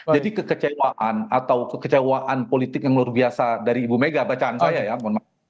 jadi kekecewaan atau kekecewaan politik yang luar biasa dari ibu megawati soekarno putri